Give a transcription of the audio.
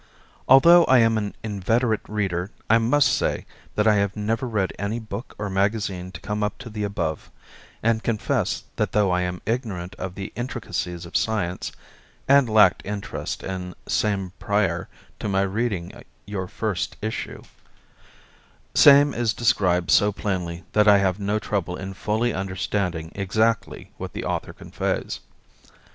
Although I am an inveterate reader I must say that I have never read any book or magazine to come up to the above, and confess that though I am ignorant of the intricacies of science (and lacked interest in same prior to my reading your first issue) same is described so plainly that I have no trouble in fully understanding exactly what the author conveys.